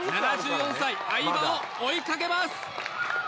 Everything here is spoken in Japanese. ７４歳相羽を追いかけます